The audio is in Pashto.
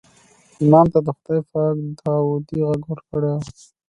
امام ته خدای پاک داودي غږ ورکړی و.